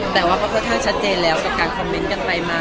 แต่ว่าก็ค่อนข้างชัดเจนแล้วกับการคอมเมนต์กันไปมา